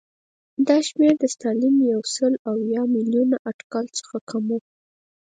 دا شمېر د ستالین له یو سل اویا میلیونه اټکل څخه کم و